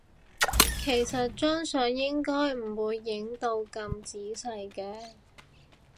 其實張相應該唔會影到咁仔細嘅